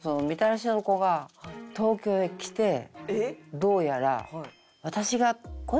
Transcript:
どうやら。